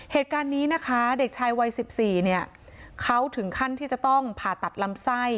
เหตุการณ์นี้นะคะเด็กชายวัย๑๔เนี่ยเขาถึงขั้นที่จะต้องผ่าตัดลำไส้